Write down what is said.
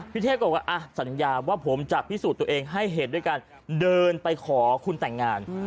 เทพก็บอกว่าสัญญาว่าผมจะพิสูจน์ตัวเองให้เห็นด้วยการเดินไปขอคุณแต่งงาน